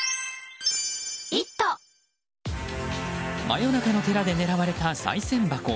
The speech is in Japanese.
真夜中の寺で狙われたさい銭箱。